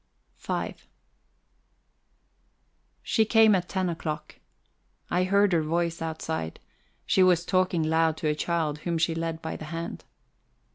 V She came at ten o'clock. I heard her voice outside; she was talking loud to a child whom she led by the hand.